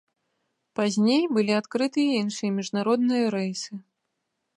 Пазней былі адкрыты і іншыя міжнародныя рэйсы.